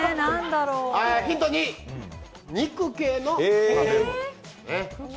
ヒント２、肉系の食べ物。